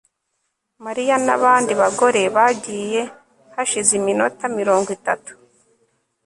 Mariya nabandi bagore bagiye hashize iminota mirongo itatu